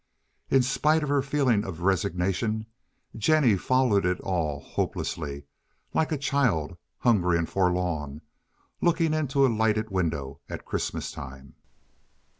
In spite of her feeling of resignation, Jennie followed it all hopelessly, like a child, hungry and forlorn, looking into a lighted window at Christmas time.